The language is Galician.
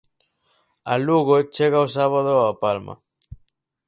A Lugo chega o sábado o Palma.